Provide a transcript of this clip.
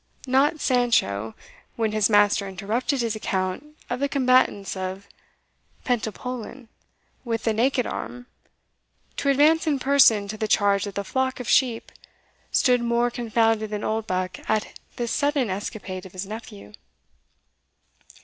Not Sancho, when his master interrupted his account of the combatants of Pentapolin with the naked arm, to advance in person to the charge of the flock of sheep, stood more confounded than Oldbuck at this sudden escapade of his nephew.